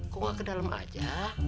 kok gak ke dalam aja